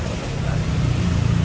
dilakukan guna melakukan permintaan maaf